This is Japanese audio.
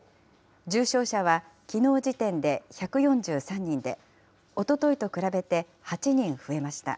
重症者はきのう時点で１４３人で、おとといと比べて８人増えました。